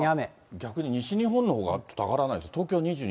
逆に西日本のほうが上がらないですね。